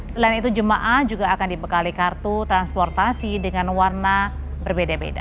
selain itu jemaah juga akan dibekali kartu transportasi dengan warna berbeda beda